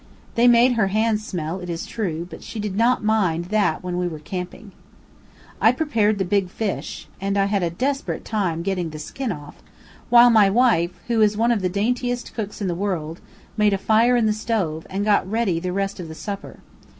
They made her hands smell, it is true; but she did not mind that when we were camping. I prepared the big fish (and I had a desperate time getting the skin off), while my wife, who is one of the daintiest cooks in the world, made the fire in the stove, and got ready the rest of the supper.